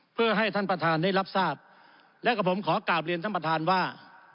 เพื่อให้ท่านประธานได้รับทราบและกับผมขอกราบเรียนท่านประธานว่า